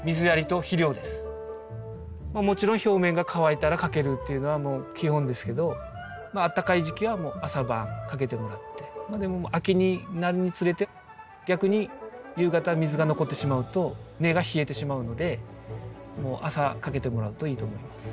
もちろん表面が乾いたらかけるっていうのは基本ですけどあったかい時期は朝晩かけてもらってでも秋になるにつれて逆に夕方水が残ってしまうと根が冷えてしまうのでもう朝かけてもらうといいと思います。